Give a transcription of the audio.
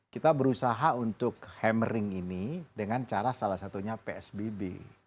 kita berusaha untuk hammering ini dengan cara salah satunya psbb